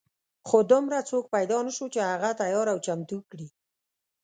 خو دومره څوک پیدا نه شو چې هغه تیار او چمتو کړي.